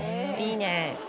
いいね。